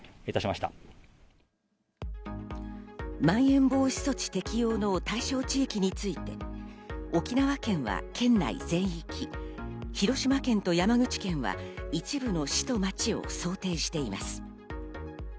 まん延防止措置適用の対象地域について沖縄県は県内全域、広島県と山口県は一部の市と町を想定しています。